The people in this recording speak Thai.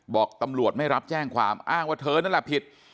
บอกตำรวจไม่รับแจ้งความอ้างว่าเธอนั่นแหละผิด